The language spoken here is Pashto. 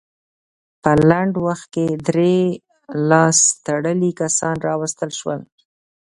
په لنډ وخت کې درې لاس تړلي کسان راوستل شول.